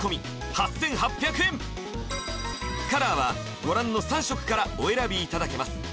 ８８００円カラーはご覧の３色からお選びいただけます